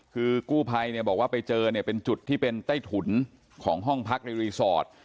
คือกู้ภัยเนี่ยบอกว่าไปเจอเนี่ยเป็นจุดที่เป็นใต้ถุนของห้องพักในรีสอร์ท